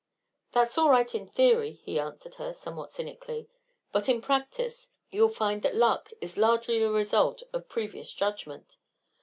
"That's all right in theory," he answered her, somewhat cynically, "but in practice you'll find that luck is largely the result of previous judgment.